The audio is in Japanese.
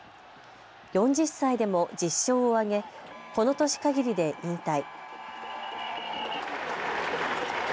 ４０歳でも１０勝を挙げこの年かぎりで引退。